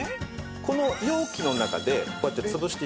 この容器の中でこうやって潰していくんですね。